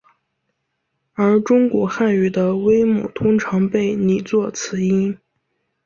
而中古汉语的微母通常被拟作此音。